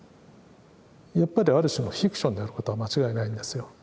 やっぱりある種のフィクションであることは間違いないんですよ。